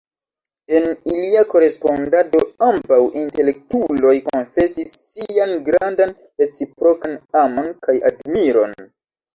En ilia korespondado, ambaŭ intelektuloj konfesis sian grandan reciprokan amon kaj admiron.